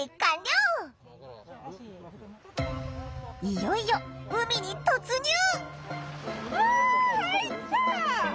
いよいよ海に突入！